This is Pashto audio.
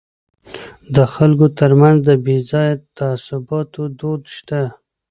د خلکو ترمنځ د بې ځایه تعصباتو دود شته.